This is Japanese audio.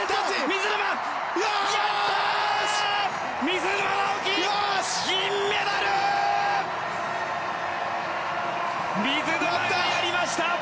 水沼、やりました！